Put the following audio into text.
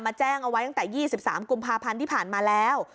แจ้งเอาไว้ตั้งแต่๒๓กุมภาพันธ์ที่ผ่านมาแล้ว